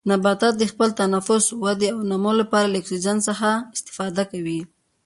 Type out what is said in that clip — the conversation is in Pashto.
نباتات د خپل تنفس، ودې او نمو لپاره له اکسیجن څخه استفاده کوي.